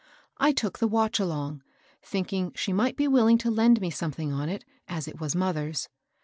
I took the watch along, thinking she might be willing to lend me some thing on it, as it was mother's.